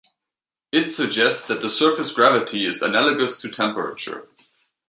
It suggests that the surface gravity is analogous to temperature.